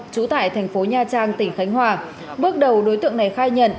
trú tại thành phố nha trang tỉnh khánh hòa bước đầu đối tượng này khai nhận